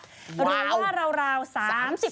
หรือว่าราว๓๕ล้านบาท